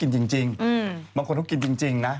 พี่ชอบแซงไหลทางอะเนาะ